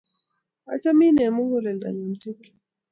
Achamin eng' muguleldanyun tukul.